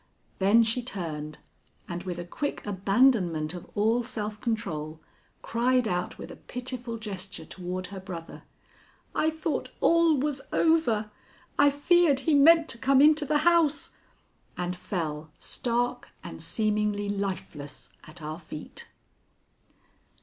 Then she turned, and with a quick abandonment of all self control, cried out with a pitiful gesture toward her brother, "I thought all was over; I feared he meant to come into the house," and fell stark and seemingly lifeless at our feet.